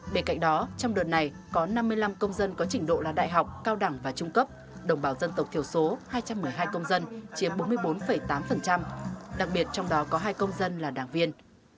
bên cạnh đó trong đợt này có năm mươi năm công dân có trình độ là đại học cao đẳng và trung cấp đồng bào dân tộc thiểu số hai trăm một mươi hai công dân chiếm bốn mươi bốn tám đặc biệt trong đó có hai công dân là đảng viên